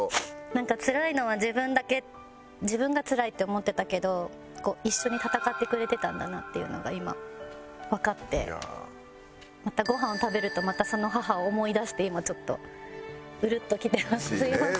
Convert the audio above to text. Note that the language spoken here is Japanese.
なんかつらいのは自分だけ自分がつらいって思ってたけど一緒に戦ってくれてたんだなっていうのが今わかってごはんを食べるとまたその母を思い出して今ちょっとウルッときてすみません。